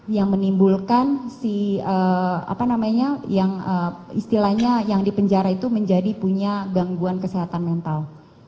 yang menimbulkan si apa namanya yang istilahnya yang di penjara itu menjadi punya gangguan kesehatan mental